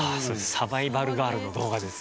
サバイバルガールの動画です。